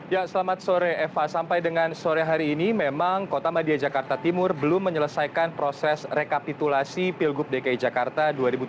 ya selamat sore eva sampai dengan sore hari ini memang kota madia jakarta timur belum menyelesaikan proses rekapitulasi pilgub dki jakarta dua ribu tujuh belas